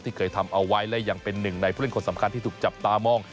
เคยทำเอาไว้และยังเป็นหนึ่งในผู้เล่นคนสำคัญที่ถูกจับตามอง